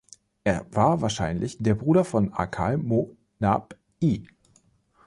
Er war wahrscheinlich der Bruder von Ahkal Mo' Nahb I.